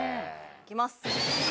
いきます。